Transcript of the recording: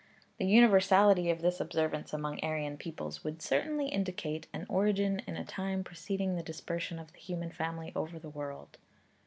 The universality of this observance among Aryan peoples would certainly indicate an origin in a time preceding the dispersion of the human family over the world.